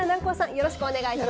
よろしくお願いします。